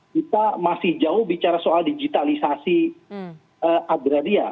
kita masih jauh bicara soal digitalisasi agraria